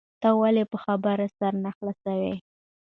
ته ولي په خبره سر نه خلاصوې؟